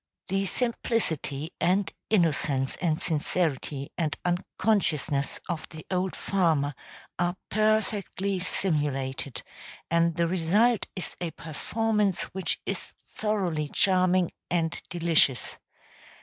The simplicity and innocence and sincerity and unconsciousness of the old farmer are perfectly simulated, and the result is a performance which is thoroughly charming and delicious.